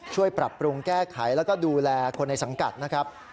ช่วยปรับปรุงแก้ไขแล้วก็ดูแลคนในสังกัดนะครับ